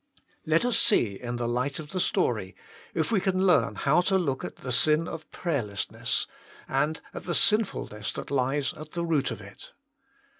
Let us see in the light of the story if we can learn how to look at the sin of prayerlessness, and at the sinfulness that lies at RESTRAINING PRAYER: IS IT SIN? 69 the root of it.